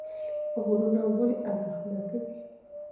غرونه ولې ارزښتناکه دي